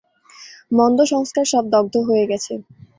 মন্দ সংস্কার সব দগ্ধ হয়ে গেছে।